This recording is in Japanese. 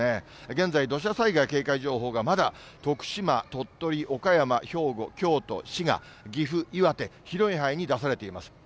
現在、土砂災害警戒情報がまだ徳島、鳥取、岡山、兵庫、京都、滋賀、岐阜、岩手、広い範囲に出されています。